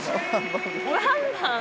ワンバン？